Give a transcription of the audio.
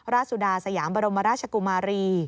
สุดาสยามบรมราชกุมารี